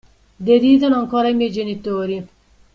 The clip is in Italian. Deridono ancora i miei genitori.